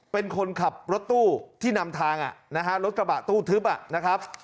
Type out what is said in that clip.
เป็นคนขับรถตู้ที่นำทางรถกระบะตู้ทึบ